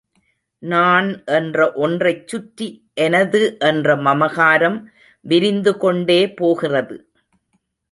நான் என்ற ஒன்றைச் சுற்றி எனது என்ற மமகாரம் விரிந்து கொண்டே போகிறது.